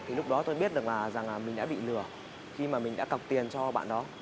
thì lúc đó tôi biết được là mình đã bị lừa khi mà mình đã cọc tiền cho bạn đó